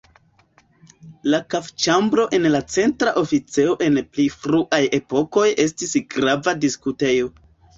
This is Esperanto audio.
La kafĉambro en la Centra Oficejo en pli fruaj epokoj estis grava diskutejo.